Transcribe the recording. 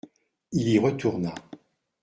Il y retourna.